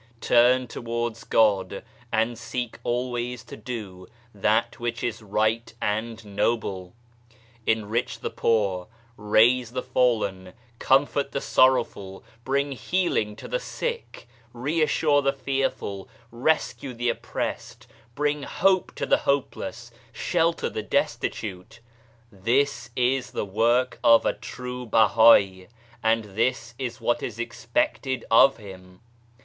Turn towards God, and seek always to do that which is right and noble. Enrich the poor, raise the fallen, comfort the sorrowful, bring healing to the sick, reassure the fearful, rescue the oppressed, bring hope to the hopeless, shelter the desti tute I This is the work of a true Bahai, and this is what is expected of him.